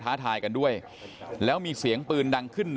ท้าทายกันด้วยแล้วมีเสียงปืนดังขึ้น